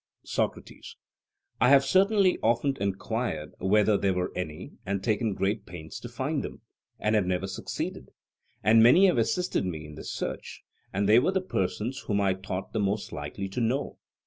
SOCRATES: I have certainly often enquired whether there were any, and taken great pains to find them, and have never succeeded; and many have assisted me in the search, and they were the persons whom I thought the most likely to know.